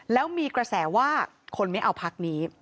แล้วมีกระแสว่าคนไม่เอาพักนี้